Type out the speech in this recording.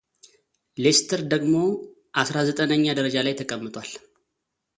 ሌስተር ደግሞ አስራ ዘጠነኛ ደረጃ ላይ ተቀምጧል።